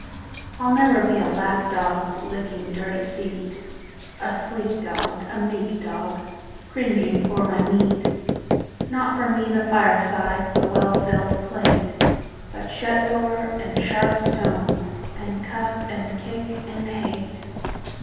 I'll never be a lap dog, licking dirty feet,A sleek dog, a meek dog, cringing for my meat, Not for me the fireside, the well filled plate, But shut door, and sharp stone, and cuff and kick, and hate.